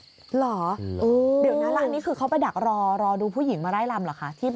หรอเดี๋ยวอะละนี่คือเขาไปดักรอดูผู้หญิงมาร่ายรำเหรอค่ะ